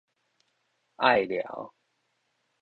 隘寮